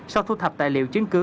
sau thu thập tài liệu chứng cứ